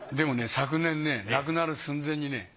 昨年亡くなる寸前にね